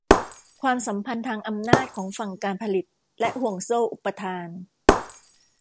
ความสัมพันธ์ทางอำนาจของฝั่งการผลิตและห่วงโซ่อุปทาน